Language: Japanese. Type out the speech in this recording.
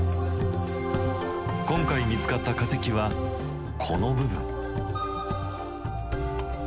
今回見つかった化石はこの部分。